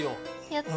やった！